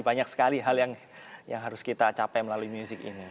banyak sekali hal yang harus kita capai melalui music ini